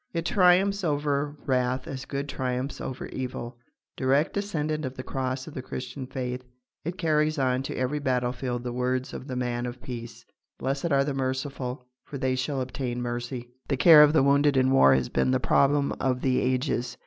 It triumphs over wrath as good triumphs over evil. Direct descendant of the cross of the Christian faith, it carries on to every battlefield the words of the Man of Peace: "Blessed are the merciful, for they shall obtain mercy." The care of the wounded in war has been the problem of the ages.